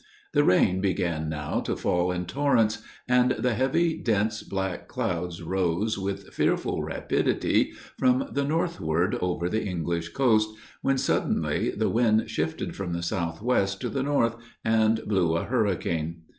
The rain began now to fall in torrents, and the heavy, dense, black clouds rose, with fearful rapidity, from the northward, over the English coast, when suddenly the wind shifted from the south west to the north, and blew a hurricane.